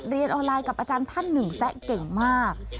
เรียนออนไลน์กับอาจารย์ท่านหนึ่งแซะเก่งมาก